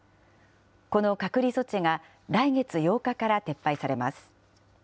この隔離措置が来月８日から撤廃されます。